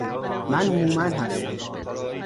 من هومن هستم